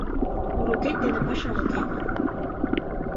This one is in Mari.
Урокет дене пашам уке.